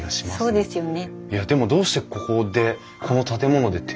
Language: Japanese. そうですね。